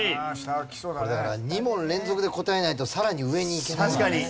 これだから２問連続で答えないとさらに上に行けないんだね。